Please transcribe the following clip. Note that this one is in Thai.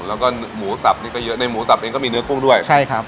แล้วก็หมูสับนี่ก็เยอะในหมูสับเองก็มีเนื้อกุ้งด้วยใช่ครับ